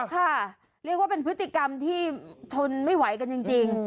ค่ะเรียกว่าเป็นพฤติกรรมที่ทนไม่ไหวกันจริง